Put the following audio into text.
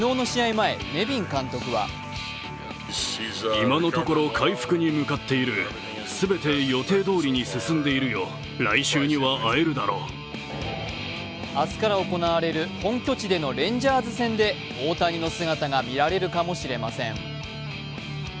前、ネビン監督は明日から行われる本拠地でのレンジャーズ戦で大谷の姿が見られるかもしれません。